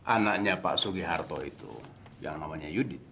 anaknya pak sugiharto itu yang namanya yudin